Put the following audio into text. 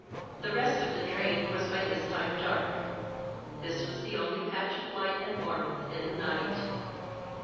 The rest of the train was by this time dark ; this was the only patch of light and warmth in the night.